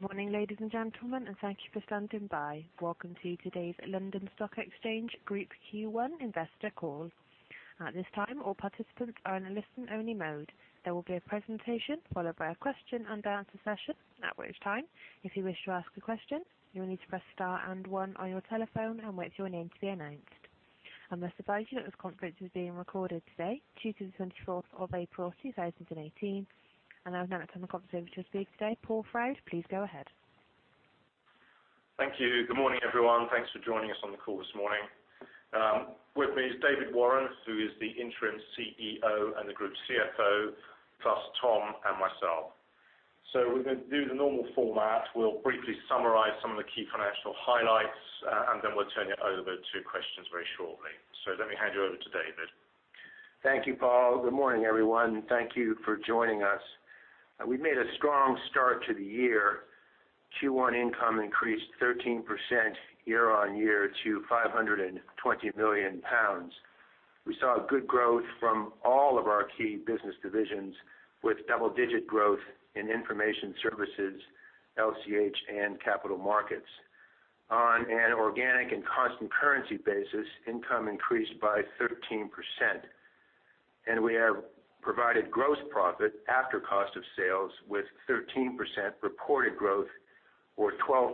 Good morning, ladies and gentlemen, thank you for standing by. Welcome to today's London Stock Exchange Group Q1 investor call. At this time, all participants are in a listen-only mode. There will be a presentation followed by a question-and-answer session. At which time, if you wish to ask a question, you will need to press star 1 on your telephone and wait for your name to be announced. I must advise you that this conference is being recorded today, Tuesday the 24th of April, 2018. I would now turn the conference over to speak today, Paul Froud. Please go ahead. Thank you. Good morning, everyone. Thanks for joining us on the call this morning. With me is David Warren, who is the Interim CEO and the Group CFO, plus Tom and myself. We're going to do the normal format. We'll briefly summarize some of the key financial highlights, and then we'll turn it over to questions very shortly. Let me hand you over to David. Thank you, Paul. Good morning, everyone. Thank you for joining us. We made a strong start to the year. Q1 income increased 13% year-on-year to 520 million pounds. We saw good growth from all of our key business divisions, with double-digit growth in Information Services, LCH, and Capital Markets. On an organic and constant currency basis, income increased by 13%. We have provided gross profit after cost of sales with 13% reported growth or 12%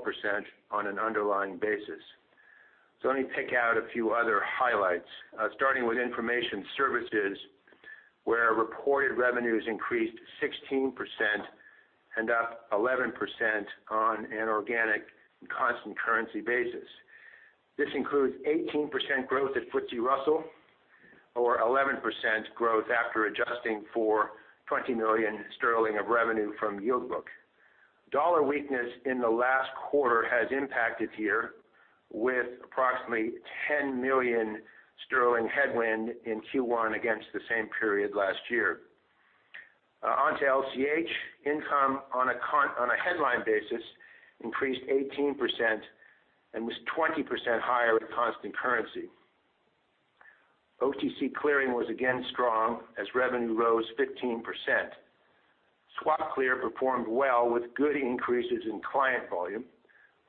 on an underlying basis. Let me pick out a few other highlights. Starting with Information Services, where reported revenues increased 16% and up 11% on an organic and constant currency basis. This includes 18% growth at FTSE Russell or 11% growth after adjusting for 20 million sterling of revenue from Yield Book. Dollar weakness in the last quarter has impacted here with approximately 10 million sterling headwind in Q1 against the same period last year. Onto LCH. Income on a headline basis increased 18% and was 20% higher at constant currency. OTC Clearing was again strong as revenue rose 15%. SwapClear performed well with good increases in client volume.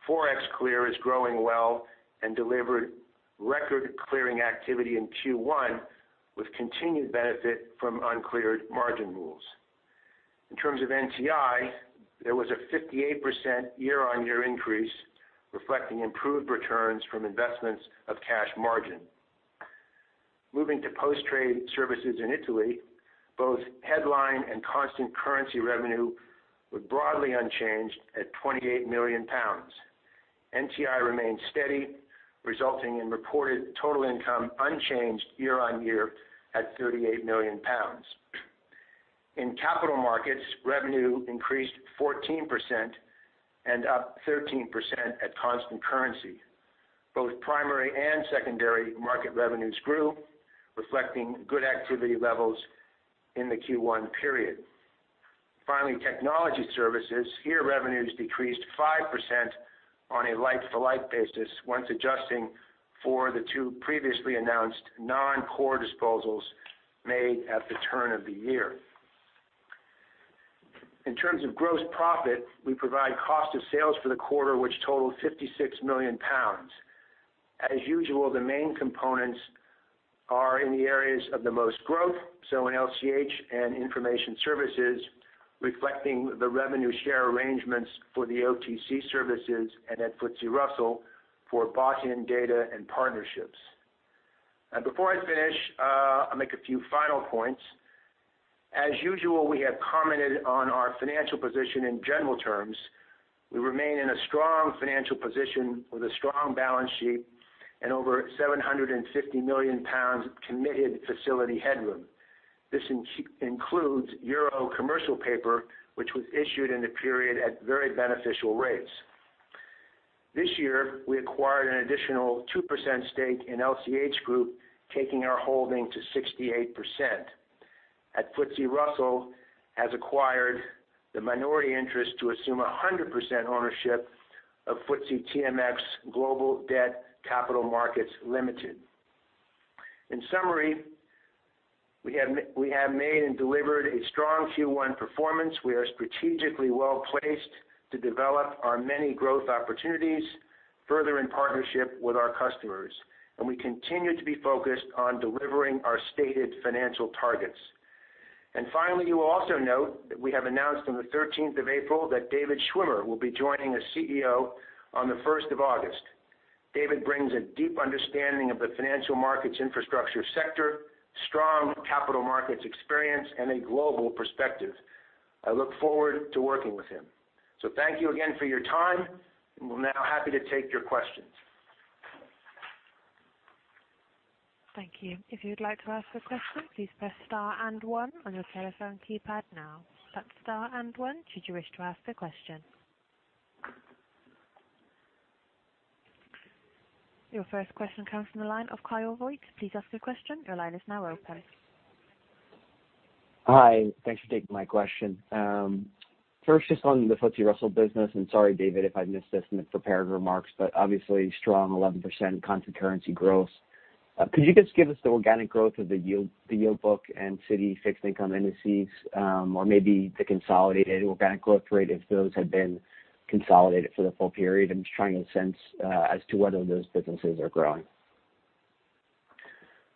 ForexClear is growing well and delivered record clearing activity in Q1 with continued benefit from uncleared margin rules. In terms of NTI, there was a 58% year-on-year increase reflecting improved returns from investments of cash margin. Moving to Post Trade Services in Italy, both headline and constant currency revenue were broadly unchanged at 28 million pounds. NTI remained steady, resulting in reported total income unchanged year-on-year at 38 million pounds. In Capital Markets, revenue increased 14% and up 13% at constant currency. Both primary and secondary market revenues grew, reflecting good activity levels in the Q1 period. Finally, Technology Services. Revenues decreased 5% on a like-for-like basis once adjusting for the two previously announced non-core disposals made at the turn of the year. In terms of gross profit, we provide cost of sales for the quarter, which totaled 56 million pounds. As usual, the main components are in the areas of the most growth, so in LCH and Information Services, reflecting the revenue share arrangements for the OTC services and at FTSE Russell for bought-in data and partnerships. Before I finish, I'll make a few final points. As usual, we have commented on our financial position in general terms. We remain in a strong financial position with a strong balance sheet and over 750 million pounds committed facility headroom. This includes euro commercial paper, which was issued in the period at very beneficial rates. This year, we acquired an additional 2% stake in LCH Group, taking our holding to 68%. FTSE Russell has acquired the minority interest to assume 100% ownership of FTSE TMX Global Debt Capital Markets Limited. In summary, we have made and delivered a strong Q1 performance. We are strategically well-placed to develop our many growth opportunities further in partnership with our customers, and we continue to be focused on delivering our stated financial targets. Finally, you will also note that we have announced on the 13th of April that David Schwimmer will be joining as CEO on the 1st of August. David brings a deep understanding of the financial markets infrastructure sector, strong Capital Markets experience, and a global perspective. I look forward to working with him. Thank you again for your time. We're now happy to take your questions. Thank you. If you would like to ask a question, please press star and one on your telephone keypad now. That's star and one should you wish to ask a question. Your first question comes from the line of Kyle Voigt. Please ask your question. Your line is now open. Hi. Thanks for taking my question. On the FTSE Russell business, sorry, David, if I missed this in the prepared remarks, obviously strong 11% constant currency growth. Could you just give us the organic growth of the Yield Book and Citi Fixed Income Indices, or maybe the consolidated organic growth rate if those had been consolidated for the full period? I'm just trying to sense as to whether those businesses are growing.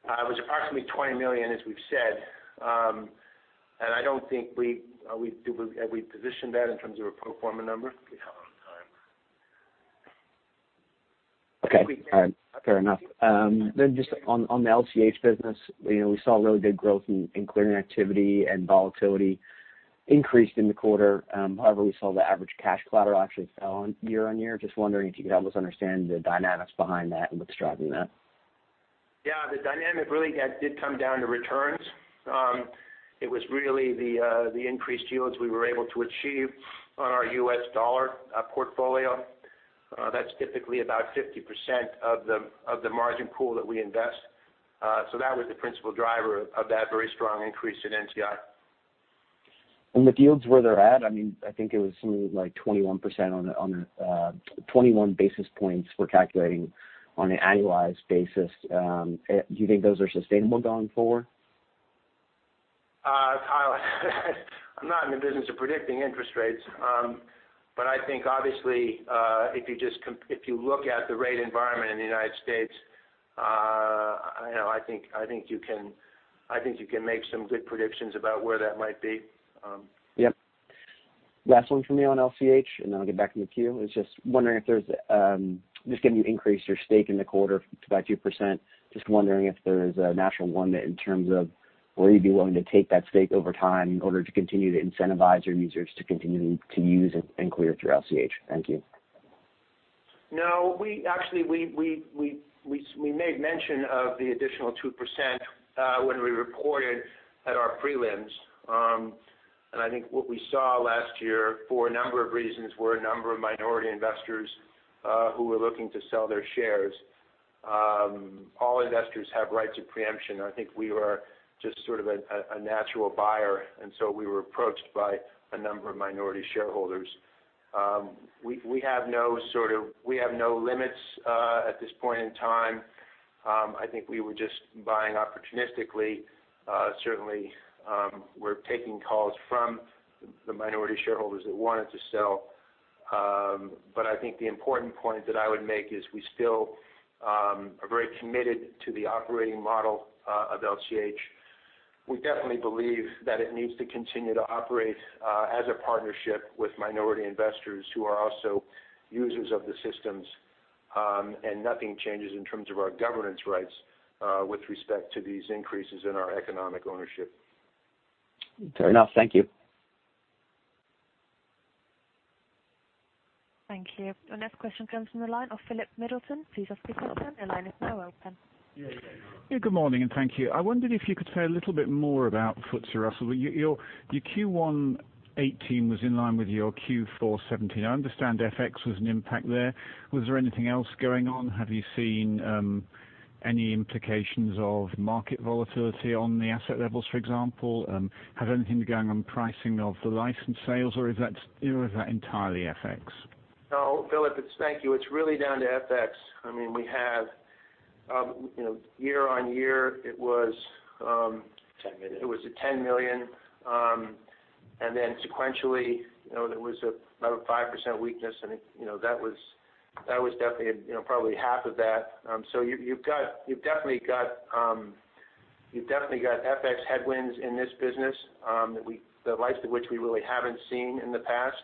It was approximately GBP 20 million, as we've said. Have we positioned that in terms of a pro forma number? Let me have a look at the time. Okay. All right. Fair enough. On the LCH business, we saw really good growth in clearing activity and volatility increased in the quarter. We saw the average cash collateral actually fell on year-on-year. Just wondering if you could help us understand the dynamics behind that and what's driving that. The dynamic really did come down to returns. It was really the increased yields we were able to achieve on our US dollar portfolio. That's typically about 50% of the margin pool that we invest. That was the principal driver of that very strong increase in NTI. The yields where they're at, I think it was something like 21 basis points for calculating on an annualized basis. Do you think those are sustainable going forward? Kyle, I'm not in the business of predicting interest rates. I think obviously, if you look at the rate environment in the U.S., I think you can make some good predictions about where that might be. Yep. Last one for me on LCH, then I'll get back in the queue. Just wondering, you increased your stake in the quarter by 2%. Just wondering if there is a natural limit in terms of will you be willing to take that stake over time in order to continue to incentivize your users to continue to use and clear through LCH. Thank you. No. Actually, we made mention of the additional 2% when we reported at our prelims. I think what we saw last year, for a number of reasons, were a number of minority investors who were looking to sell their shares. All investors have rights of preemption, I think we were just sort of a natural buyer, so we were approached by a number of minority shareholders. We have no limits at this point in time. I think we were just buying opportunistically. Certainly, we're taking calls from the minority shareholders that wanted to sell. I think the important point that I would make is we still are very committed to the operating model of LCH. We definitely believe that it needs to continue to operate as a partnership with minority investors who are also users of the systems, nothing changes in terms of our governance rights with respect to these increases in our economic ownership. Fair enough. Thank you. Thank you. The next question comes from the line of Philip Middleton. Please ask your question. Your line is now open. Yeah. Good morning, thank you. I wondered if you could say a little bit more about FTSE Russell. Your Q1 2018 was in line with your Q4 2017. I understand FX was an impact there. Was there anything else going on? Have you seen any implications of market volatility on the asset levels, for example? Have anything going on pricing of the license sales, or is that entirely FX? No, Philip, thank you. It's really down to FX. year-on-year, it was. GBP 10 million. It was a 10 million. Then sequentially, there was about a 5% weakness, and that was definitely probably half of that. You've definitely got FX headwinds in this business, the likes of which we really haven't seen in the past.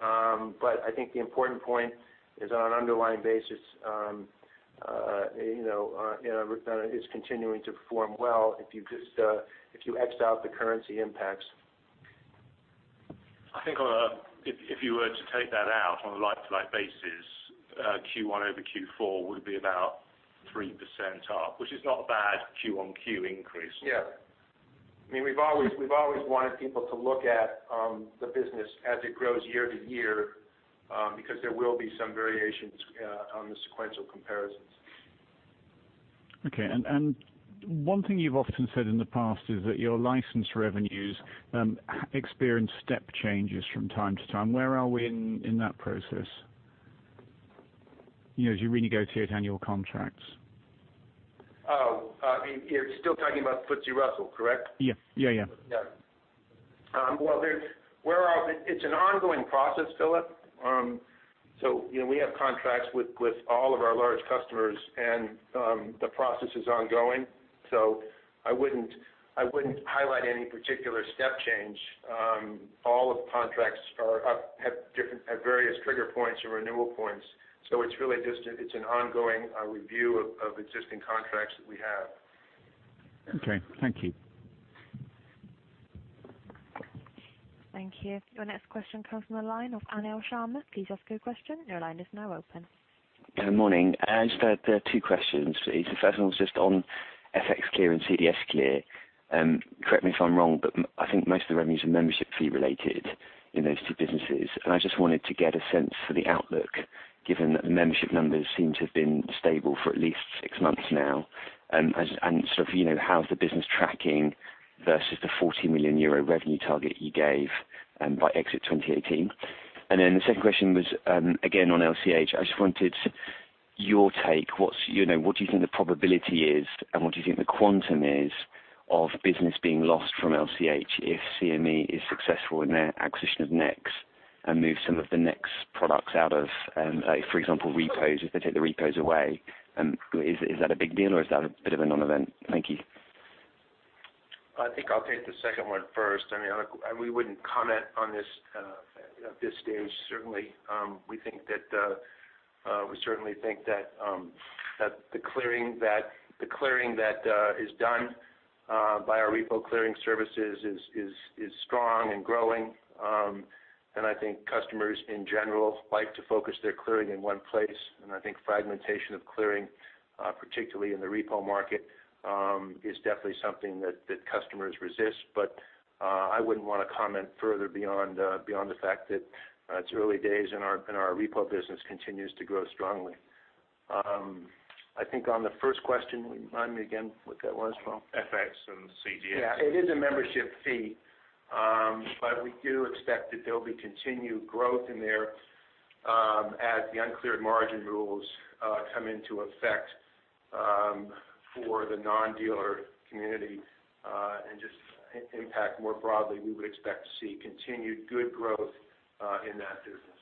I think the important point is on an underlying basis, it is continuing to perform well if you x out the currency impacts. I think if you were to take that out on a like-to-like basis, Q1 over Q4 would be about 3% up, which is not a bad Q1 Q increase. Yeah. We've always wanted people to look at the business as it grows year-to-year because there will be some variations on the sequential comparisons. Okay. One thing you've often said in the past is that your license revenues experience step changes from time to time. Where are we in that process as you renegotiate annual contracts? You're still talking about FTSE Russell, correct? Yeah. Yeah. Well, it's an ongoing process, Philip. We have contracts with all of our large customers, the process is ongoing. I wouldn't highlight any particular step change. All of the contracts have various trigger points or renewal points. It's really just an ongoing review of existing contracts that we have. Okay. Thank you. Thank you. Your next question comes from the line of Anil Sharma. Please ask your question. Your line is now open. Good morning. Just two questions, please. The first one was just on ForexClear and CDSClear. Correct me if I'm wrong, but I think most of the revenues are membership fee related in those two businesses. I just wanted to get a sense for the outlook, given that the membership numbers seem to have been stable for at least six months now. By exit 2018, how's the business tracking versus the 40 million euro revenue target you gave? Then the second question was, again, on LCH. I just wanted your take. What do you think the probability is, and what do you think the quantum is of business being lost from LCH if CME is successful in their acquisition of NEX and move some of the NEX products out of, for example, repos, if they take the repos away, is that a big deal or is that a bit of a non-event? Thank you. I think I'll take the second one first. We wouldn't comment on this at this stage. Certainly, we think that the clearing that is done by our repo clearing services is strong and growing. I think customers in general like to focus their clearing in one place. I think fragmentation of clearing, particularly in the repo market, is definitely something that customers resist. I wouldn't want to comment further beyond the fact that it's early days and our repo business continues to grow strongly. I think on the first question, remind me again what that was, Paul. FX and CDS. It is a membership fee. We do expect that there'll be continued growth in there as the uncleared margin rules come into effect for the non-dealer community, just impact more broadly, we would expect to see continued good growth in that business.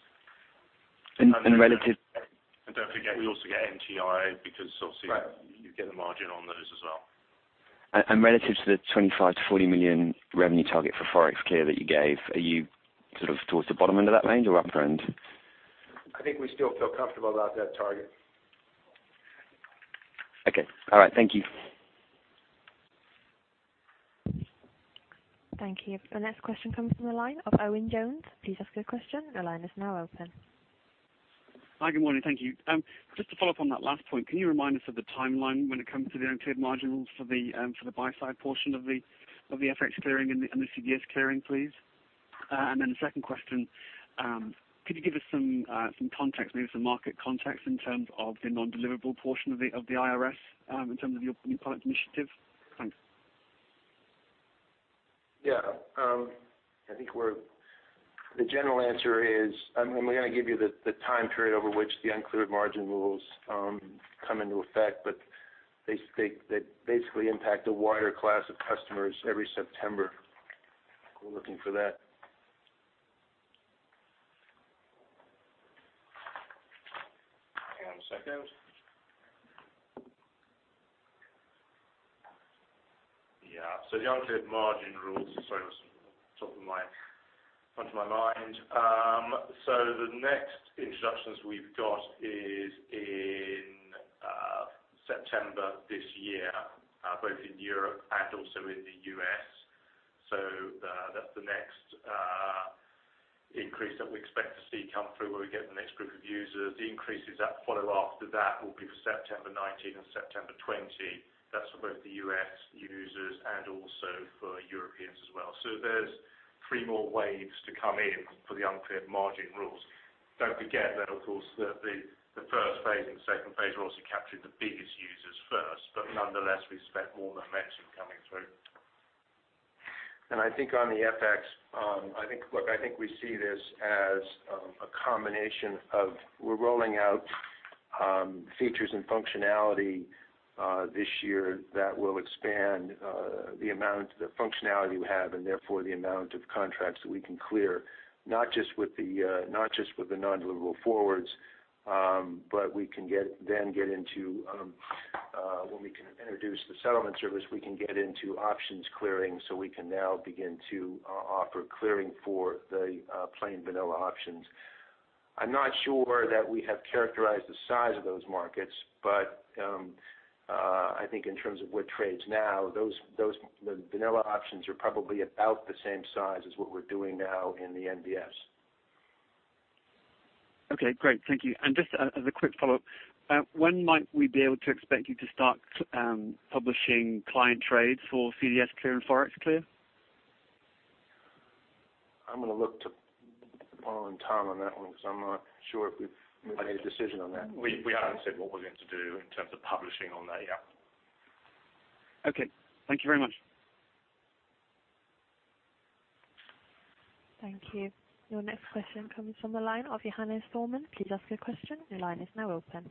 And relative- Don't forget, we also get NTI. Right You get the margin on those as well. Relative to the 25 million-40 million revenue target for ForexClear that you gave, are you towards the bottom end of that range or upper end? I think we still feel comfortable about that target. Okay. All right. Thank you. Thank you. The next question comes from the line of Owen Jones. Please ask your question. Your line is now open. Hi, good morning. Thank you. Just to follow up on that last point, can you remind us of the timeline when it comes to the uncleared margin rules for the buy-side portion of the FX clearing and the CDS clearing, please? Then the second question, could you give us some context, maybe some market context, in terms of the non-deliverable portion of the IRS in terms of your new product initiative? Thanks. Yeah. The general answer is, we're going to give you the time period over which the uncleared margin rules come into effect, they basically impact a wider class of customers every September. We're looking for that. Hang on a second. The uncleared margin rules, sorry, it was at the top of my mind. The next introductions we've got is in September this year, both in Europe and also in the U.S. That's the next increase that we expect to see come through, where we get the next group of users. The increases that follow after that will be for September 2019 and September 2020. That's for both the U.S. users and also for Europeans as well. There's three more waves to come in for the uncleared margin rules. Don't forget that, of course, the first phase and second phase will also capture the biggest users first. Nonetheless, we expect more momentum coming through. I think on the FX, I think we see this as a combination of we're rolling out features and functionality this year that will expand the amount of functionality we have, and therefore the amount of contracts that we can clear, not just with the Non-Deliverable Forwards, but when we can introduce the settlement service, we can get into options clearing, so we can now begin to offer clearing for the plain vanilla options. I'm not sure that we have characterized the size of those markets. I think in terms of what trades now, the vanilla options are probably about the same size as what we're doing now in the NDFs. Okay, great. Thank you. Just as a quick follow-up, when might we be able to expect you to start publishing client trades for CDSClear and ForexClear? I'm going to look to Paul and Tom on that one because I'm not sure if we've made a decision on that. We haven't said what we're going to do in terms of publishing on that yet. Okay. Thank you very much. Thank you. Your next question comes from the line of Johannes Thormann. Please ask your question. Your line is now open.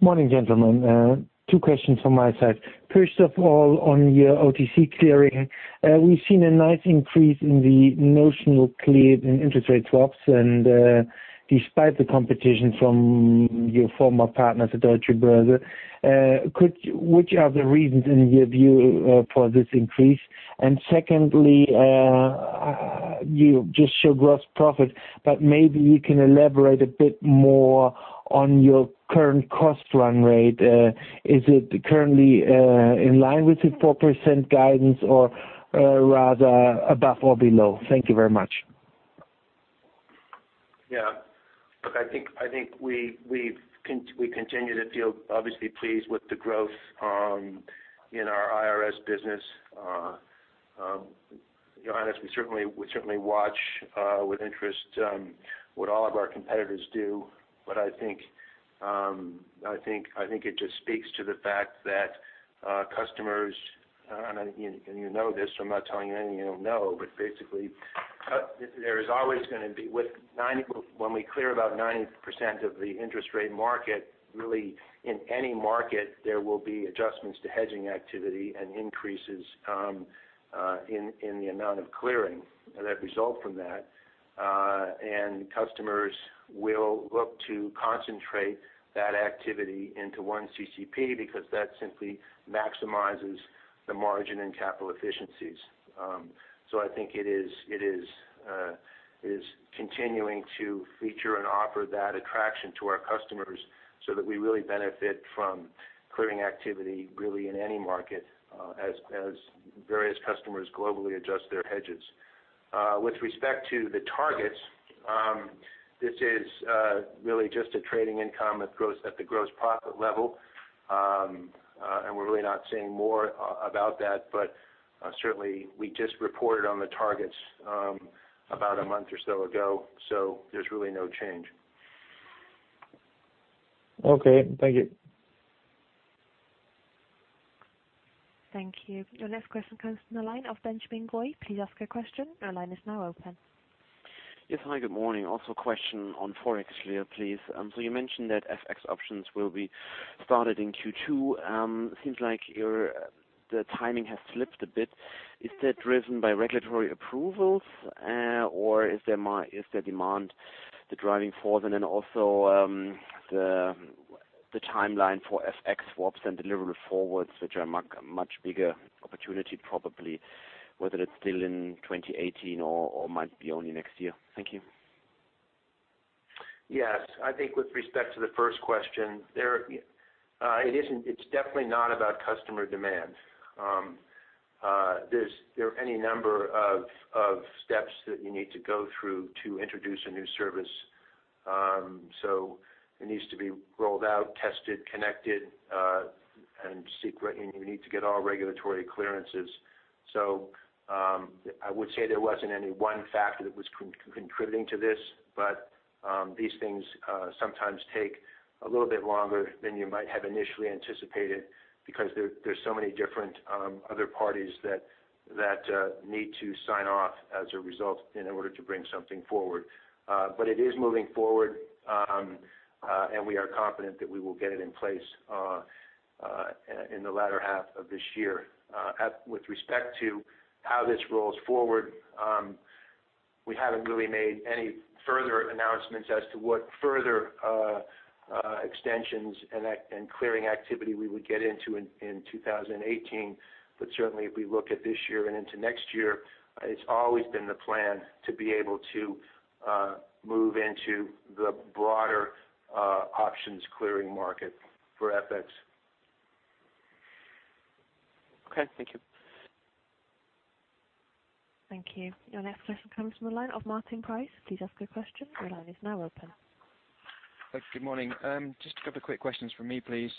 Morning, gentlemen. Two questions from my side. First of all, on your OTC Clearing, we've seen a nice increase in the notional cleared in interest rate swaps, despite the competition from your former partners at Deutsche Börse, which are the reasons in your view for this increase? Secondly, you just show gross profit, but maybe you can elaborate a bit more on your current cost run rate. Is it currently in line with the 4% guidance or rather above or below? Thank you very much. Look, I think we continue to feel obviously pleased with the growth in our IRS business. Johannes, we certainly watch with interest what all of our competitors do. I think it just speaks to the fact that customers I don't know, and you know this, so I'm not telling you anything you don't know, but basically, when we clear about 90% of the interest rate market, really in any market, there will be adjustments to hedging activity and increases in the amount of clearing that result from that. Customers will look to concentrate that activity into one CCP because that simply maximizes the margin and capital efficiencies. I think it is continuing to feature and offer that attraction to our customers so that we really benefit from clearing activity really in any market, as various customers globally adjust their hedges. With respect to the targets, this is really just a trading income at the gross profit level. We're really not saying more about that, certainly we just reported on the targets about a month or so ago, so there's really no change. Okay. Thank you. Thank you. Your next question comes from the line of Benjamin Goy. Please ask your question. Your line is now open. Yes. Hi, good morning. A question on ForexClear, please. You mentioned that FX options will be started in Q2. Seems like the timing has slipped a bit. Is that driven by regulatory approvals, or is the demand the driving force? The timeline for FX swaps and deliverable forwards, which are much bigger opportunity probably, whether it is still in 2018 or might be only next year. Thank you. Yes. I think with respect to the first question, it is definitely not about customer demand. There are any number of steps that you need to go through to introduce a new service. It needs to be rolled out, tested, connected, and you need to get all regulatory clearances. I would say there was not any one factor that was contributing to this, but these things sometimes take a little bit longer than you might have initially anticipated because there is so many different other parties that need to sign off as a result in order to bring something forward. It is moving forward, and we are confident that we will get it in place in the latter half of this year. With respect to how this rolls forward, we have not really made any further announcements as to what further extensions and clearing activity we would get into in 2018. Certainly, if we look at this year and into next year, it is always been the plan to be able to move into the broader options clearing market for FX. Okay, thank you. Thank you. Your next question comes from the line of Martin Price. Please ask your question. Your line is now open. Thanks. Good morning. Just a couple of quick questions from me, please.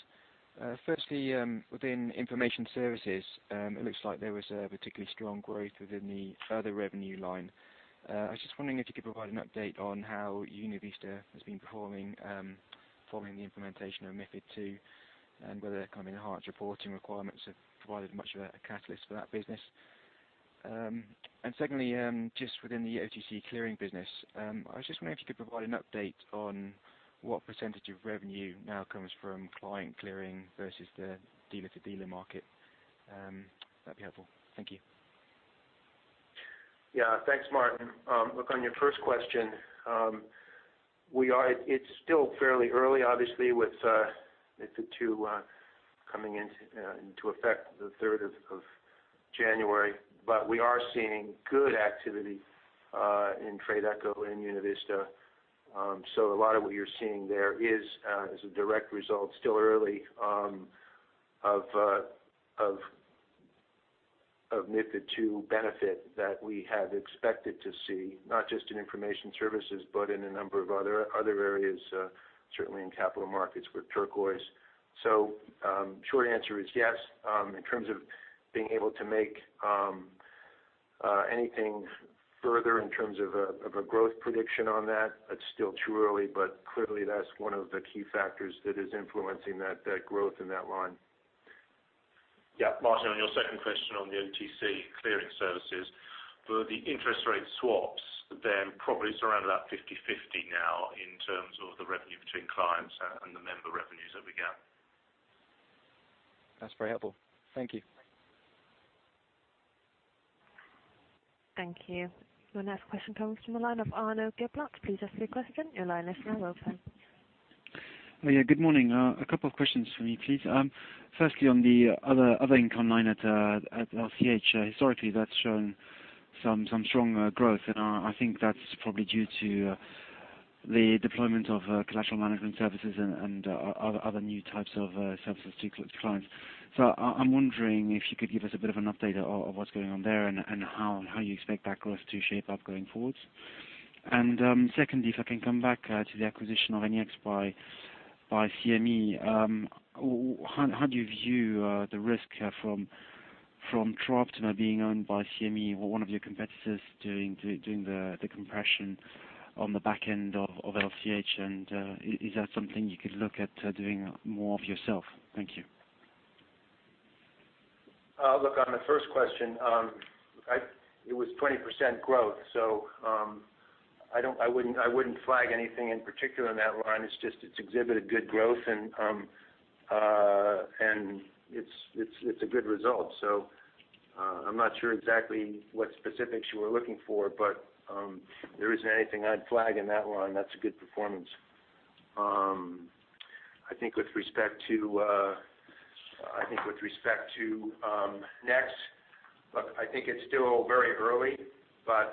Firstly, within Information Services, it looks like there was a particularly strong growth within the other revenue line. I was just wondering if you could provide an update on how UnaVista has been performing following the implementation of MiFID II, and whether enhanced reporting requirements have provided much of a catalyst for that business. Secondly, just within the OTC Clearing business, I was just wondering if you could provide an update on what % of revenue now comes from client clearing versus the dealer-to-dealer market. That'd be helpful. Thank you. Yeah. Thanks, Martin. Look, on your first question, it's still fairly early, obviously, with MiFID II coming into effect the 3rd of January. We are seeing good activity in TRADEcho and UnaVista. A lot of what you're seeing there is a direct result, still early, of MiFID II benefit that we had expected to see, not just in Information Services, but in a number of other areas, certainly in Capital Markets with Turquoise. Short answer is yes. In terms of being able to make anything further in terms of a growth prediction on that, it's still too early, but clearly that's one of the key factors that is influencing that growth in that line. Yeah. Martin, on your second question on the OTC Clearing services, for the interest rate swaps, probably it's around about 50/50 now in terms of the revenue between clients and the member revenues that we get. That's very helpful. Thank you. Thank you. Your next question comes from the line of Arnaud Giblat. Please ask your question. Your line is now open. Yeah. Good morning. A couple of questions from me, please. Firstly, on the other income line at LCH, historically, that's shown some strong growth, and I think that's probably due to the deployment of collateral management services and other new types of services to clients. I'm wondering if you could give us a bit of an update of what's going on there and how you expect that growth to shape up going forward. Secondly, if I can come back to the acquisition of NEX by CME, how do you view the risk from TriOptima now being owned by CME or one of your competitors doing the compression on the back end of LCH, and is that something you could look at doing more of yourself? Thank you. Look, on the first question, it was 20% growth, I wouldn't flag anything in particular in that line. It's just exhibited good growth and it's a good result. I'm not sure exactly what specifics you were looking for, but there isn't anything I'd flag in that line. That's a good performance. I think with respect to NEX, look, I think it's still very early, but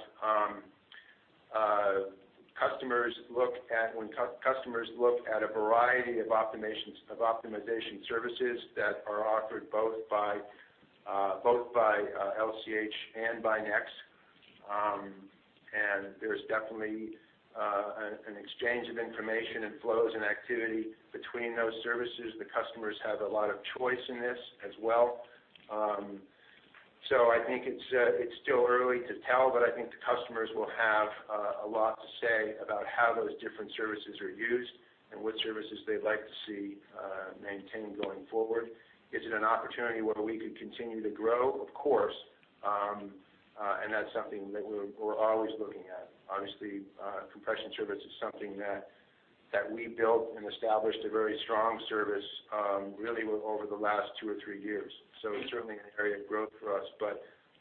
when customers look at a variety of optimization services that are offered both by LCH and by NEX, there's definitely an exchange of information and flows and activity between those services. The customers have a lot of choice in this as well. I think it's still early to tell, but I think the customers will have a lot to say about how those different services are used and what services they'd like to see maintained going forward. Is it an opportunity where we could continue to grow? Of course, that's something that we're always looking at. Obviously, compression service is something that we built and established a very strong service really over the last two or three years. Certainly an area of growth for us.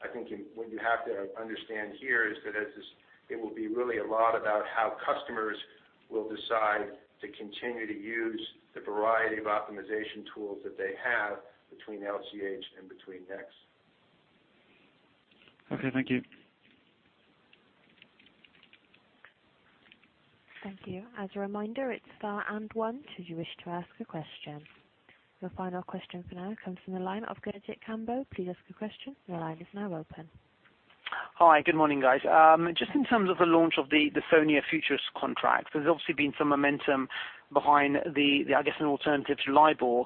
I think what you have to understand here is that it will be really a lot about how customers will decide to continue to use the variety of optimization tools that they have between LCH and between NEX. Okay, thank you. Thank you. As a reminder, it's star and one should you wish to ask a question. Your final question for now comes from the line of Gurjit Kambo. Please ask your question. Your line is now open. Hi, good morning, guys. Just in terms of the launch of the SONIA Futures contract, there's obviously been some momentum behind the, I guess, an alternative to LIBOR.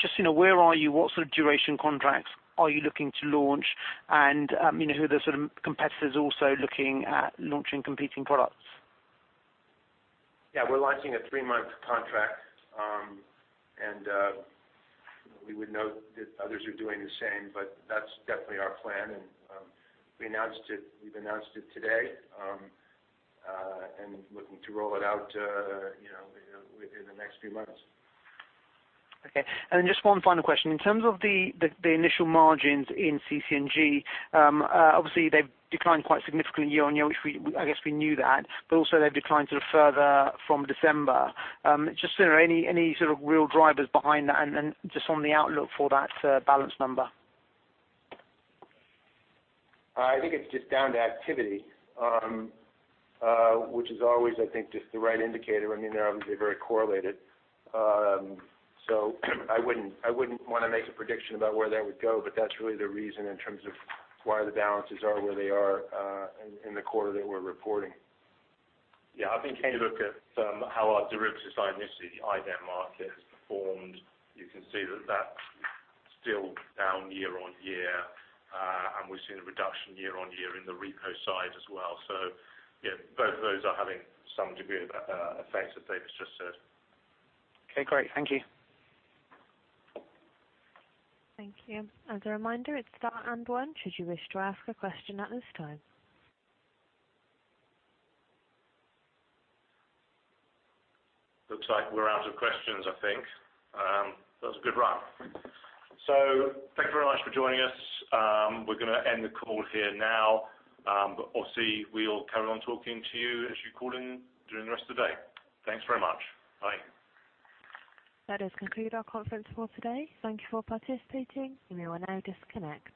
Just so you know, where are you, what sort of duration contracts are you looking to launch? Who are the sort of competitors also looking at launching competing products? Yeah, we're launching a three-month contract. We would note that others are doing the same, but that's definitely our plan. We've announced it today, and looking to roll it out within the next few months. Okay. Just one final question. In terms of the initial margins in CC&G, obviously they've declined quite significantly year-over-year, which I guess we knew that, but also they've declined sort of further from December. Just any sort of real drivers behind that and just on the outlook for that balance number? I think it's just down to activity, which is always, I think, just the right indicator. I mean, they're obviously very correlated. I wouldn't want to make a prediction about where they would go, but that's really the reason in terms of why the balances are where they are in the quarter that we're reporting. Yeah, I think when you look at how our derivatives side, initially the IDEM market has performed, you can see that that's still down year-over-year. We've seen a reduction year-over-year in the repo side as well. Yeah, both of those are having some degree of effect, as David just said. Okay, great. Thank you. Thank you. As a reminder, it's star and one should you wish to ask a question at this time. Looks like we're out of questions, I think. That was a good run. Thank you very much for joining us. We're going to end the call here now. Obviously, we'll carry on talking to you as you call in during the rest of the day. Thanks very much. Bye. That does conclude our conference call today. Thank you for participating, and you will now disconnect.